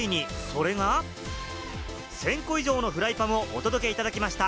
それが１０００個以上のフライパンをお届けいただきました！